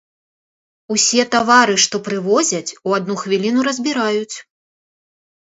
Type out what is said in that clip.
Усе тавары, што прывозяць, у адну хвіліну разбіраюць.